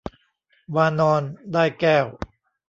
วานรได้แก้ว